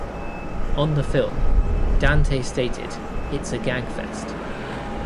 On the film, Dante stated It's a gagfest.